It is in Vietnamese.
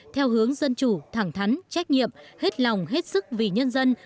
theo hướng dân chủ thẳng thắn trách nhiệm hết lòng hết sức vì nhân dân